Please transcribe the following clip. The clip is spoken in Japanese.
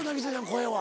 声は。